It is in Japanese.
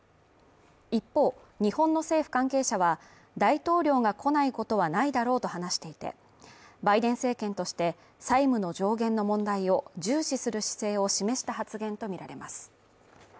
一方、日本の政府関係者は大統領が来ないことはないだろうと話していて、バイデン政権として、債務の上限の問題を重視する姿勢を示した発言とみられます。